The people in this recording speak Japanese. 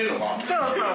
そうそう。